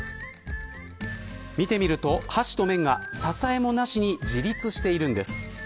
見てみると、箸と麺が支えもなしに自立しているんです。